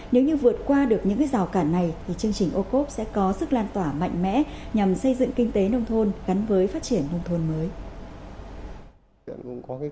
nếu như vượt qua được những rào cản này thì chương trình ô cốp sẽ có sức lan tỏa mạnh mẽ nhằm xây dựng kinh tế nông thôn gắn với phát triển nông thôn mới